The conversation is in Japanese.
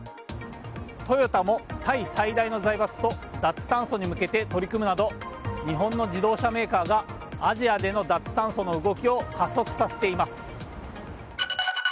トヨタもタイ最大の財閥と脱炭素に向けて取り組むなど日本の自動車メーカーがアジアでの脱炭素の動きを加速させています。